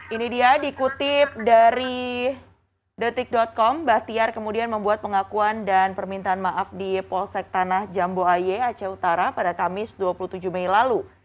ini dia dikutip dari detik com bahtiar kemudian membuat pengakuan dan permintaan maaf di polsek tanah jambu aye aceh utara pada kamis dua puluh tujuh mei lalu